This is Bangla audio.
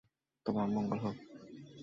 তোমার মঙ্গল হোক।